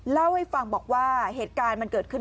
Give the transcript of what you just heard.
เล่าให้ฟังบอกว่าเหตุการณ์มันเกิดขึ้น